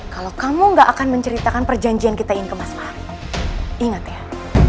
kalau kamu gak akan menceritakan perjanjian kita yang kemas fahri ingat ya